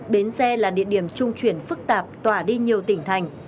bến xe là địa điểm trung chuyển phức tạp tỏa đi nhiều tỉnh thành